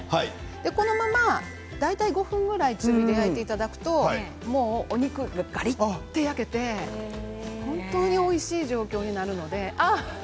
大体１５分ぐらい焼いていただくとお肉がガリっと焼けて本当においしい状況になるので。